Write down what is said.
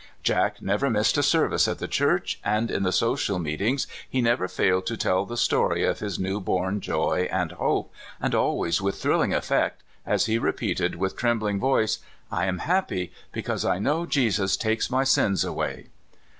Jack never missed a service at the church, and in the social meetings he never failed to tell the story of his new born joy and hope, and always with thrilling effect, as he repeated with trembling voice, " I am happy, because I know Jesus takes my sins away."